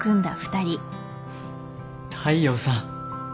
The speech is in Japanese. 大陽さん。